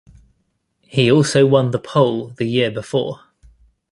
He also won the pole the year before.